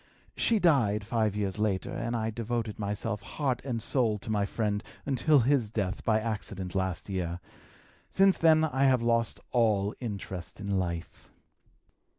She died five years later, and I devoted myself heart and soul to my friend until his death by accident last year. Since then I have lost all interest in life."